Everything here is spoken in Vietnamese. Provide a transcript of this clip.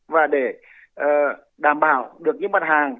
và để đảm bảo được những mặt hàng